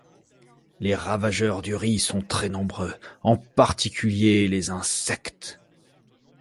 Les ravageurs du riz sont très nombreux, en particulier les insectes.